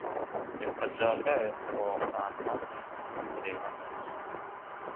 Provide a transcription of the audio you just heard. Reka duhagarare kuruhuka ahantu hamwe no kureba neza.